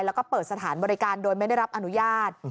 แล้วก็เปิดสถานบริการโดยไม่ได้รับอนุญาต